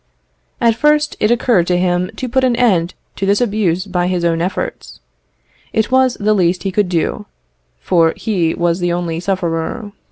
At first, it occurred to him to put an end to this abuse by his own efforts: it was the least he could do, for he was the only sufferer.